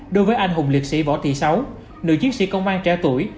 đối với anh hùng liệt sĩ võ thị sáu nữ chiến sĩ công an trẻ tuổi